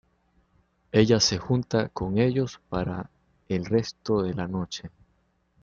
Ella se junta con ellos para el resto de la noche.